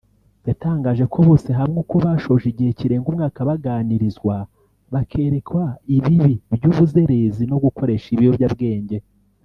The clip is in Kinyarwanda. yatangaje ko bose hamwe uko bashoje igihe kirenga umwaka baganirizwa bakerekwa ibibi by’ubuzerezi no gukoresha ibiyobyabwenge